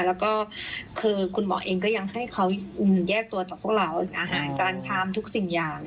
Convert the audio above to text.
แล้วก็คือคุณหมอเองก็ยังให้เขาแยกตัวจากพวกเราอาหารจานชามทุกสิ่งอย่าง